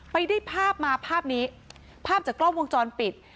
ไปได้ภาพมาภาพนี้ภาพจากกล้องวงจรปิด